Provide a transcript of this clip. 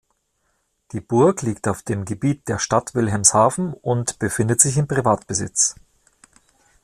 Die Burg liegt auf dem Gebiet der Stadt Wilhelmshaven und befindet sich in Privatbesitz.